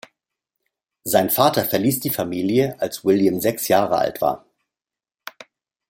Sein Vater verließ die Familie, als William sechs Jahre alt war.